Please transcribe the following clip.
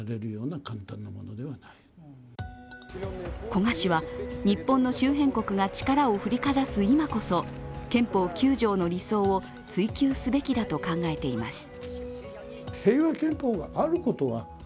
古賀氏は日本の周辺国が力を振りかざす今こそ憲法９条の理想を追求すべきだと考えています。